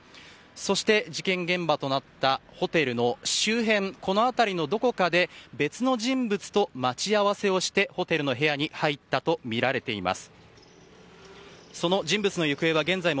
そして、事件現場となったホテルの周辺この辺りのどこかで別の人物と待ち合わせをしてホテルの部屋に入ったとみられています。